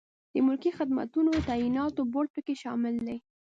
د ملکي خدمتونو د تعیناتو بورد پکې شامل دی.